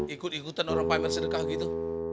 ikut ikutan orang pamer sedekah gitu